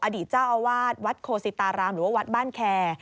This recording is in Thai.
อดีตเจ้าอาวาสวัดโคสิตารามหรือว่าวัดบ้านแคร์